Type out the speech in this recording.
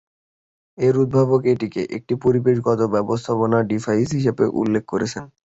এর উদ্ভাবক এটিকে "একটি পরিবেশগত ব্যবস্থাপনা ডিভাইস" হিসেবে উল্লেখ করেছেন।